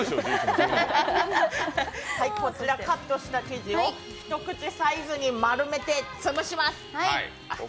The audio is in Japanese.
こちらカットした生地を一口サイズに丸めて潰します。